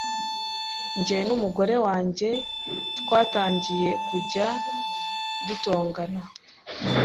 Jye n’umugore wanjye twatangiye kujya dutongana